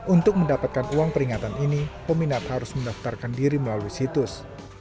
untuk mendapatkan uang peringatan ini peminat harus mendaftarkan diri melalui situs